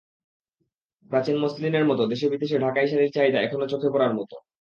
প্রাচীন মসলিনের মতো দেশে-বিদেশে ঢাকাই শাড়ির চাহিদা এখনো চোখে পড়ার মতো।